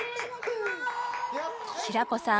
平子さん